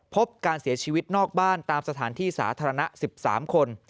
พบการเสียชีวิตนอกบ้านตามสถานที่สาธารณะ๑๓คน